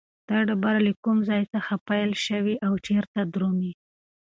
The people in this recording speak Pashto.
دا ډبره له کوم ځای څخه پیل شوې او چیرته درومي؟